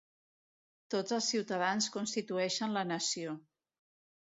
Tots els ciutadans constitueixen la nació.